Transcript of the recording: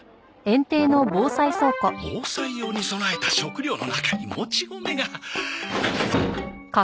防災用に備えた食料の中にもち米が。